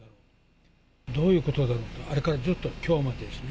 どういうことだろうと、あれからずっときょうまでですね。